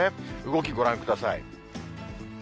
動き、ご覧ください。